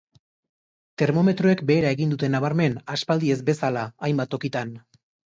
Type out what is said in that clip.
Termometroek behera egin dute nabarmen, aspaldi ez bezala, hainbat tokitan.